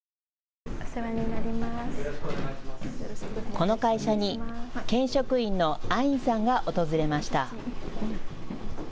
この会社に県職員のアインさんが訪れました。